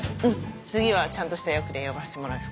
次はちゃんとした役で呼ばせてもらうよ。